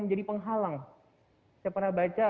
menjadi penghalang saya pernah baca